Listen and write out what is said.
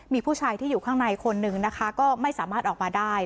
มีผู้ชายที่อยู่ข้างในคนนึงนะคะก็ไม่สามารถออกมาได้